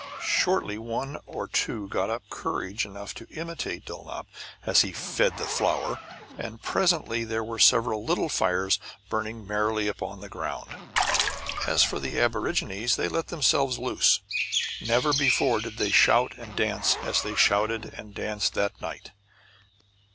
Shortly one or two got up courage enough to imitate Dulnop as he "fed the flower;" and presently there were several little fires burning merrily upon the ground. As for the aborigines, they let themselves loose; never before did they shout and dance as they shouted and danced that night.